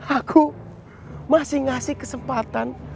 aku masih ngasih kesempatan